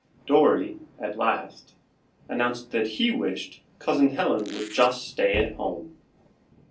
Dorry, at last, announced that he wished Cousin Helen would just stay at home.